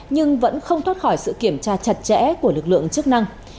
nhưng vẫn không thoát khỏi sự kiểm tra chặt chẽ của lực lượng chức năng